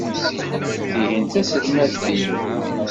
Tihin d taselmadt-inu.